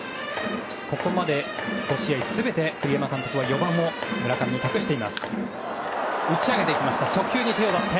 ここまで５試合全て栗山監督は４番を村上に託しています。